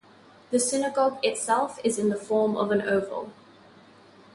The synagogue itself is in the form of an oval.